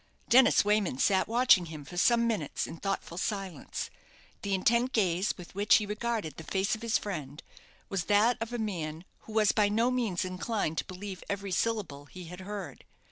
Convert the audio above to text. Dennis Wayman sat watching him for some minutes in thoughtful silence. The intent gaze with which he regarded the face of his friend, was that of a man who was by no means inclined to believe every syllable he had heard.